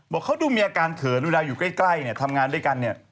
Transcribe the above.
บอกเขาดูมีอาการเขินดูแลอยู่ใกล้เนี่ยทำงานด้วยกันเนี่ย